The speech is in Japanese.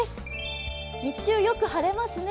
日中、よく晴れますね。